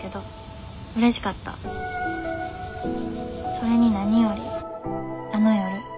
それに何よりあの夜。